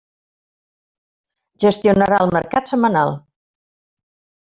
Gestionarà el mercat setmanal.